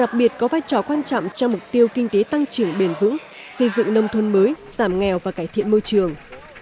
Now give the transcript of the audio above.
đặc biệt có vai trò quan trọng cho mục tiêu kinh tế tăng trưởng bền vững xây dựng nông thôn mới giảm nghèo và cải thiện môi trường